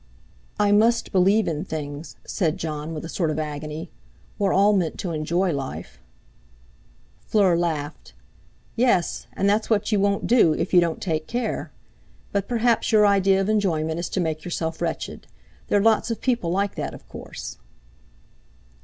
"I must believe in things," said Jon with a sort of agony; "we're all meant to enjoy life." Fleur laughed. "Yes; and that's what you won't do, if you don't take care. But perhaps your idea of enjoyment is to make yourself wretched. There are lots of people like that, of course."